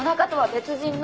別人の！？